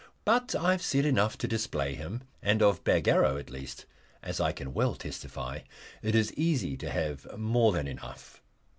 But I have said enough to display him, and of Bagarrow at least as I can well testify it is easy to have more than enough.